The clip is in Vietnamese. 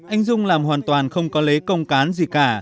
anh dung làm hoàn toàn không có lấy công cán gì cả